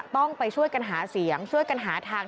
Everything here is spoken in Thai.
ต้องไปช่วยกันหาเสียงช่วยกันหาทาง